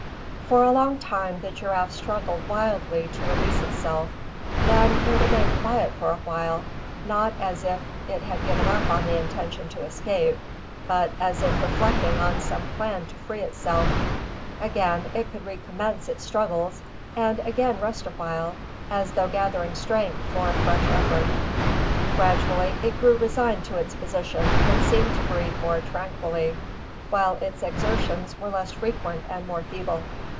For a long time, the giraffe struggled wildly to release itself. Then it remained quiet for a while, not as if it had given up the intention to escape, but as if reflecting on some plan to free itself. Again it would recommence its struggles, and again rest awhile, as though gathering strength for a fresh effort. Gradually it grew resigned to its position, and seemed to breath more tranquilly, while its exertions were less frequent and more feeble.